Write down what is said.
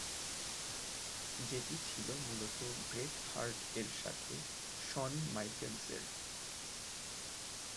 যেটি ছিল মূলত ব্রেট হার্ট এর সাথে শন মাইকেলস এর।